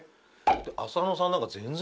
浅野さんなんか。